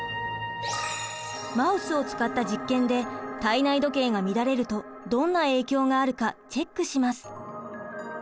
マウスを使った実験で体内時計が乱れるとどんな影響があるかチェックします。